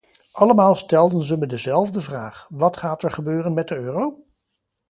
Allemaal stelden ze me dezelfde vraag: wat gaat er gebeuren met de euro?